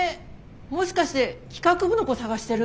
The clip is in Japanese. もしかして企画部の子捜してる？